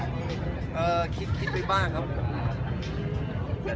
นี่คือทางใดหรือ